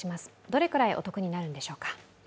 どれくらいお得になるんでしょうか。